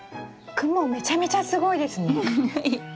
クモめちゃめちゃすごいですね。